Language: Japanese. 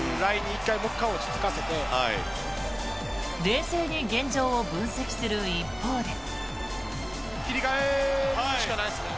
冷静に現状を分析する一方で。